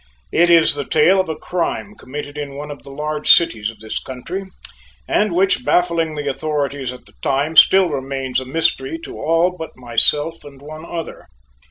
It is the tale of a crime committed in one of the large cities of this country, and which, baffling the authorities at the time, still remains a mystery to all but myself and one other.